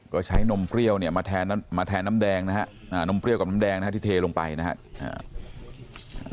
ก็ใช้นมเปรี้ยวเนี่ยมาแทนน้ำแดงนะฮะนมเปรี้ยวกับน้ำแดงนะฮะที่เทลงไปนะครับ